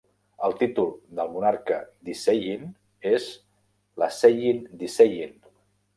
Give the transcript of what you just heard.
El títol del monarca d'Iseyin és "L'Aseyin d'Iseyin".